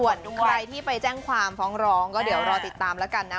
ส่วนใครที่ไปแจ้งความฟ้องร้องก็เดี๋ยวรอติดตามแล้วกันนะ